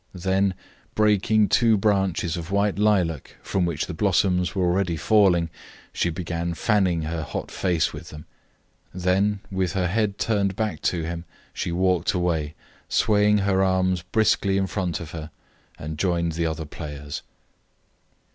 Then, breaking two branches of white lilac from which the blossoms were already falling, she began fanning her hot face with them; then, with her head turned back to him, she walked away, swaying her arms briskly in front of her, and joined the other players.